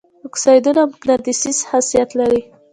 اکسایدونه مقناطیسي خاصیت لري.